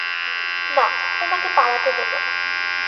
না, তোমাকে পালাতে দেব না।